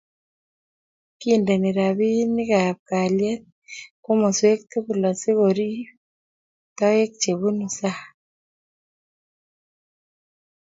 Kindeni ripik ab kalyet komoswek tukul asikorip toek che bunu sang